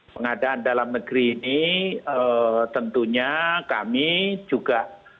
pengadaan dalam negeri ini tentunya kami juga